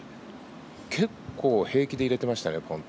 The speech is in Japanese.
結構平気で入れてましたね。